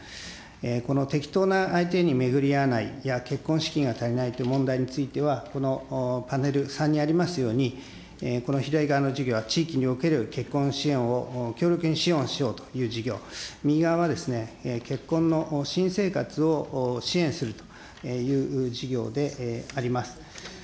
この適当な相手に巡り合わないや、結婚資金が足りないという問題については、このパネル３にありますように、この左側の事業、地域における結婚支援を強力に支援をしようという事業、右側は結婚の新生活を支援するという事業であります。